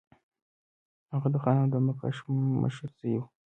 هغه د خانانو د مخکښ مشر زوی وو.